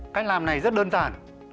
cách làm này rất đơn giản